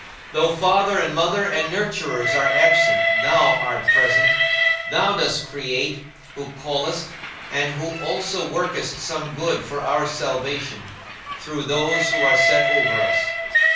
Though father and mother and nurturers are absent, thou art present, who dost create, who callest, and who also workest some good for our salvation, through those who are set over us.